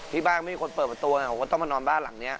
ที่บ้านไม่มีคนเปิดประตูไงผมก็ต้องมานอนบ้านหลังนี้